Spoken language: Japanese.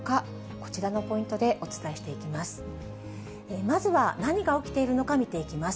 こちらのポイントでお伝えしていきます。